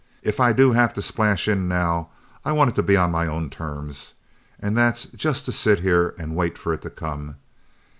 If I do have to splash in now, I want it to be on my own terms. And that's to just sit here and wait for it to come.